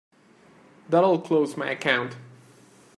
That'll close my account.